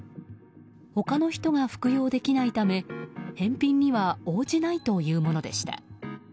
他の人が服用できないため返品には応じないというものでした。